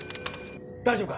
大丈夫か？